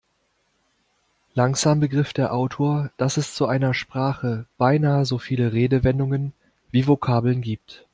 Langsam begriff der Autor, dass es zu einer Sprache beinahe so viele Redewendungen wie Vokabeln gibt.